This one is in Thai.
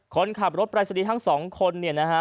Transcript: คนขับรถปลายสนีททั้ง๒คนเนี่ยนะฮะ